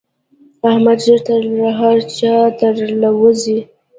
احمد ژر تر هر چا تر له وزي.